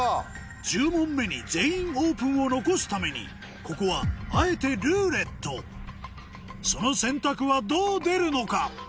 １０問目に「全員オープン」を残すためにここはあえて「ルーレット」その選択はどう出るのか？